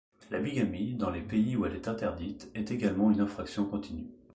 La bigamie, dans les pays où elle est interdite, est également une infraction continue.